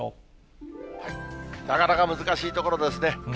なかなか難しいところですね。